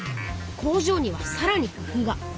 工場にはさらにくふうが。